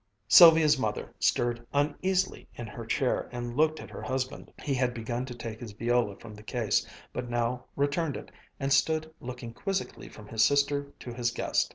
Sylvia's mother stirred uneasily in her chair and looked at her husband. He had begun to take his viola from the case, but now returned it and stood looking quizzically from his sister to his guest.